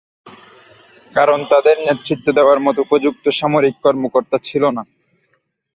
কারণ তাঁদের নেতৃত্ব দেওয়ার মতো উপযুক্ত সামরিক কর্মকর্তা ছিল না।